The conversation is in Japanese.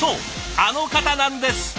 あの方なんです。